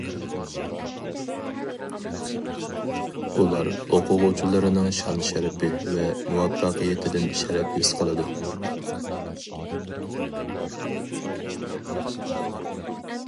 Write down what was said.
ئۇلار ئوقۇغۇچىلىرىنىڭ شان-شەرىپى ۋە مۇۋەپپەقىيىتىدىن شەرەپ ھېس قىلىدۇ.